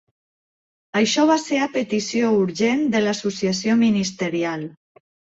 Això va ser a petició urgent de l'Associació Ministerial.